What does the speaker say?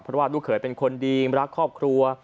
เพราะว่าลูกเขยเป็นคนดีรักครอบครัว